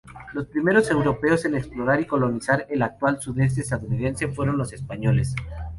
Los primeros europeos en explorar y colonizar el actual sudoeste estadounidense fueron los españoles.